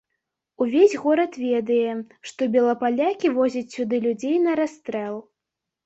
Увесь горад ведае, што белапалякі возяць сюды людзей на расстрэл.